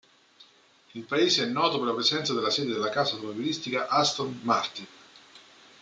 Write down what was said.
Il paese è noto per la presenza della sede della casa automobilistica Aston Martin.